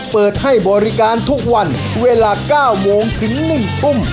เปิดให้บริการทุกวันเวลา๙โมงถึง๑ทุ่ม